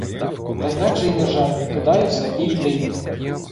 Та як же й не жаль — кидай усе і йди.